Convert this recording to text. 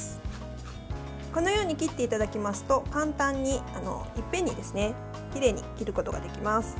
このように切っていただきますと簡単に、いっぺんにきれいに切ることができます。